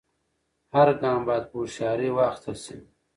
هر ګام باید په هوښیارۍ واخیستل سي.